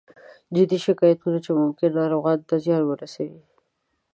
جدي شکایتونه چې ممکن ناروغانو ته زیان ورسوي